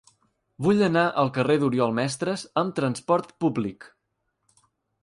Vull anar al carrer d'Oriol Mestres amb trasport públic.